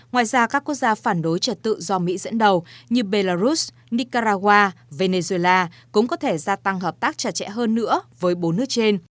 ngoài ra các quốc gia phản đối trật tự do mỹ dẫn đầu như belarus nicaragua venezuela cũng có thể gia tăng hợp tác chặt chẽ hơn nữa với bốn nước trên